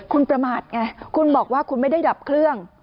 คุณประมาทไงคุณบอกว่าคุณไม่ได้ดับเครื่อง